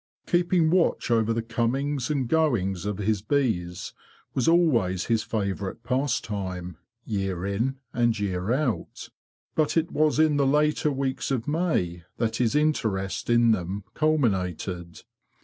Keeping watch over the comings and goings of his bees was always his favourite pastime, year in and year out; but it was in the later weeks of May that his interest in them culminated.